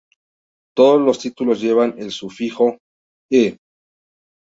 Todos los títulos llevan el sufijo "-e".